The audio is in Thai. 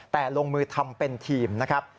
แต่ลงมือทำเป็นทีมนะครับ